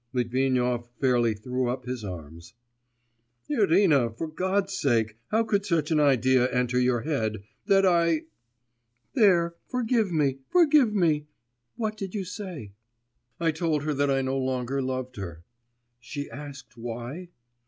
Litvinov fairly threw up his arms. 'Irina, for God's sake, how could such an idea enter your head! that I ' 'There, forgive me ... forgive me. What did you say?' 'I told her that I no longer loved her.' 'She asked why?